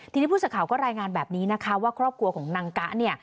ทีนี้ผู้สื่อข่าวก็รายงานแบบนี้นะคะว่าครอบครัวของนางกะเนี่ย